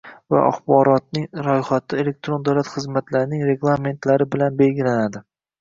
va axborotning ro‘yxati elektron davlat xizmatlarining reglamentlari bilan belgilanadi.